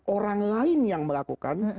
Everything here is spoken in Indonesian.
orang lain yang melakukan